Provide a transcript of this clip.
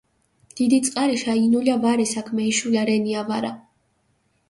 დიდი წყარიშა ინულა ვარე საქმე ეშულა რენია ვარა